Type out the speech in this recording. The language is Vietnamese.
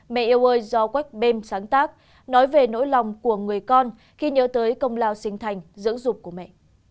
mẹ yêu ơi do quách bêm sáng tác nói về nỗi lòng của người con khi nhớ tới công lao sinh thành dưỡng dụng của mẹ